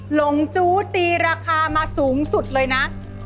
หลงจู้ตีราคามาสูงสุดเลยนะ